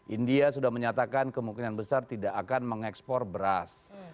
india sudah menyatakan kemungkinan besar tidak akan mengekspor beras